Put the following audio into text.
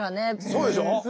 そうでしょ？